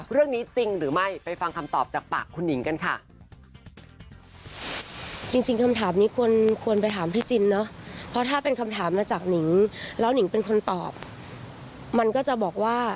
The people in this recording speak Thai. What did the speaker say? เรื่องนี้จริงหรือไม่ไปฟังคำตอบจากปากคุณหนิงกันค่ะ